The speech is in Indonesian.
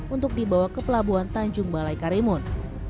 untuk dibawa ke pelabuhan tanjung balai karimun